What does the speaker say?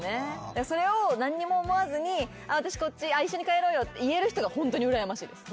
それを何にも思わずに「私こっち」「一緒に帰ろうよ」って言える人がホントにうらやましいです。